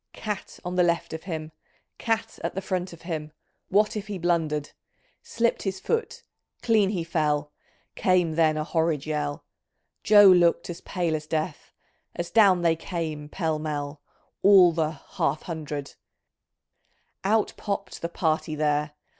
Cat on the left of him I Cat at the front of him I What if he blundered ? Slipt his foot I clean he fell ! Came then a horrid yell ! Joe looked as pale as death. As down they came pell mell, All the "Half hundred Out popt the " party '' there